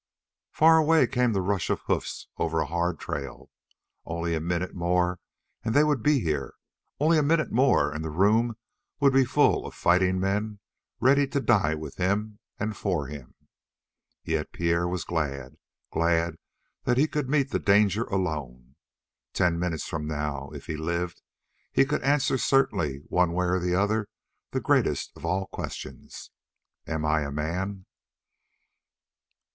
Far away came the rush of hoofs over a hard trail. Only a minute more and they would be here; only a minute more and the room would be full of fighting men ready to die with him and for him. Yet Pierre was glad; glad that he could meet the danger alone; ten minutes from now, if he lived, he could answer certainly one way or the other the greatest of all questions: "Am I a man?"